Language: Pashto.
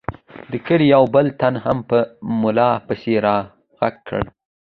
د کلي یو بل تن هم په ملا پسې را غږ کړل.